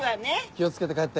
気を付けて帰って。